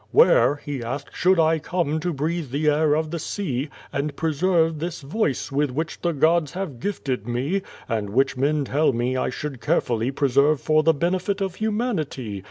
"Where," he asked, "should I come to breathe the air of the sea, and preserve this voice with which the gods have gifted me, and which men tell me I should carefully preserve for the benefit of humanity?